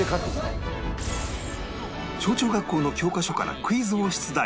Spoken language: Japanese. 小中学校の教科書からクイズを出題